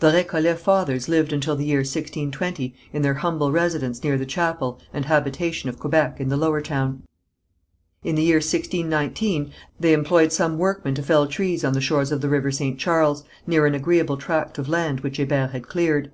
The Récollet fathers lived until the year 1620 in their humble residence near the chapel and habitation of Quebec, in the Lower Town. In the year 1619 they employed some workmen to fell trees on the shores of the River St. Charles, near an agreeable tract of land which Hébert had cleared.